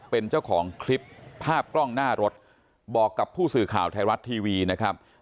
เป็นเจ้าของคลิปภาพกล้องหน้ารถบอกกับผู้สื่อข่าวไทยรัฐทีวีนะครับ